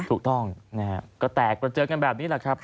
ถูกต้องนะฮะก็แตกกระเจิงกันแบบนี้แหละครับ